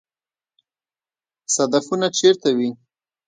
صدفونه چیرته وي؟